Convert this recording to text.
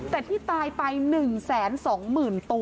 แต่ที่ตายไป๑แสน๒หมื่นตัวค่ะ